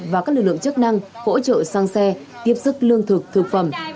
và các lực lượng chức năng hỗ trợ sang xe tiếp sức lương thực thực phẩm